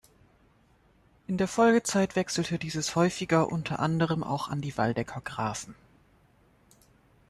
In der Folgezeit wechselte dieses häufiger, unter anderem auch an die Waldecker Grafen.